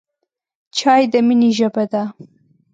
چای د مینې ژبه ده.